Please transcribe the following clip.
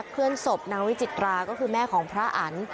เพื่อนศพนางวิจิตราก็คือแม่ของพระอัน